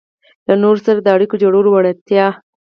-له نورو سره د اړیکو جوړولو وړتیا